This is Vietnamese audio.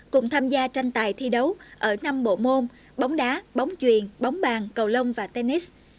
cùng tham gia tranh tài thi đấu ở năm bộ môn bóng đá bóng truyền bóng bàn cầu lông và tennis